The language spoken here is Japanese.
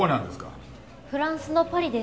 フランスのパリです。